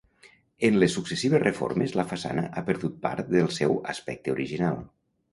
En les successives reformes la façana ha perdut part del seu aspecte original.